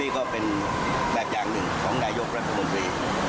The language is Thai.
ก็เป็นแบบอย่างหนึ่งของนายกรัฐมนตรี